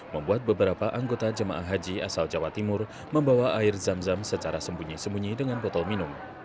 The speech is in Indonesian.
membuat beberapa anggota jemaah haji asal jawa timur membawa air zam zam secara sembunyi sembunyi dengan botol minum